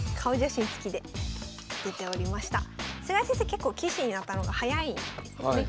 結構棋士になったのが早いんですよね。